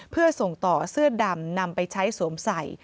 เพื่อส่งต่อเสื้อดำนำไปใช้สวมใส่